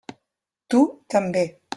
Tu també.